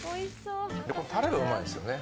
タレがうまいんですよね。